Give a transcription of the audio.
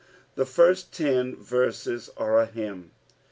The first ten rrrses are A amx.